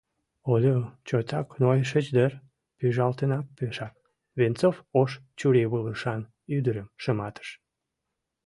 — Олю, чотак нойышыч дыр, пӱжалтынат пешак, — Венцов ош чурийвылышан ӱдырым шыматыш.